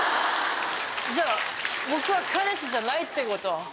じゃあ僕は彼氏じゃないってこと？